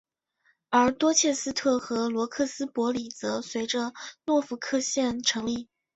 而多切斯特和罗克斯伯里则随着诺福克县成立。